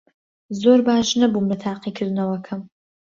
زۆر باش نەبووم لە تاقیکردنەوەکەم.